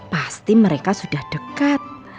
pasti mereka sudah dekat